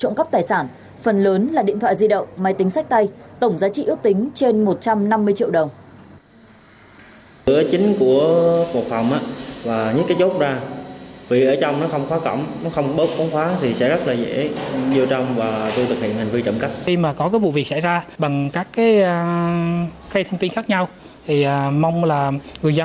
trồng cắp tài sản phần lớn là điện thoại di động máy tính sách tay tổng giá trị ước tính trên một trăm năm mươi triệu đồng